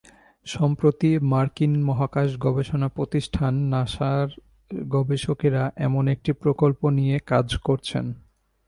সম্প্রতি মার্কিন মহাকাশ গবেষণা প্রতিষ্ঠান নাসার গবেষকেরা এমন একটি প্রকল্প নিয়ে কাজ করছেন।